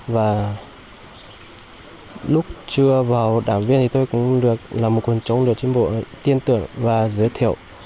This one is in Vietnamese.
và lúc chưa vào đảng viên thì tôi cũng được là một quần chúng được tri bộ tin tưởng và giới thiệu